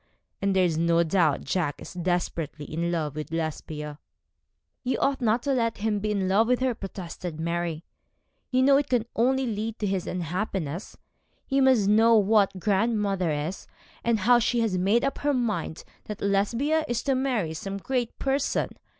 and there is no doubt Jack is desperately in love with Lesbia.' 'You ought not to let him be in love with her,' protested Mary. 'You know it can only lead to his unhappiness. You must know what grandmother is, and how she has made up her mind that Lesbia is to marry some great person.